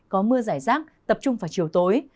có mưa giải rác tập trung vào chiều tối